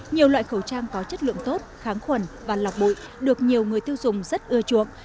nhiều loại khẩu trang có chất lượng tốt kháng khuẩn và lọc bụi được nhiều người tiêu dùng rất ưa chuộng